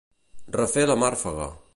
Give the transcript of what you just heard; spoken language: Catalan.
Refer la màrfega.